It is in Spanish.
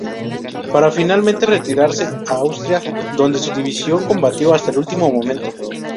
Para finalmente retirarse a Austria, donde su división combatió hasta el último momento.